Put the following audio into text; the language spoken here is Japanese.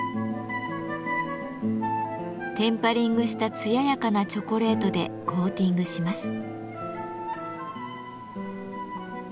テンパリングした艶やかなチョコレートでコーティングします。